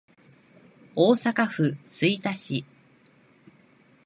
大阪府吹田市